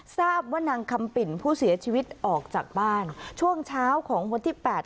ทราบว่านางคำปิ่นผู้เสียชีวิตออกจากบ้านช่วงเช้าของวันที่แปด